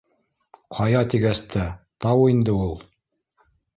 Ҡая тигәс тә, тау инде ул